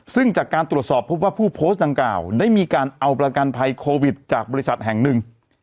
ซึ่งจากการตรวจสอบพบว่าผู้โพสต์ดังกล่าวได้มีการเอาประกันภัยโควิดจากบริษัทแห่งหนึ่ง